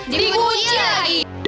di kunci lagi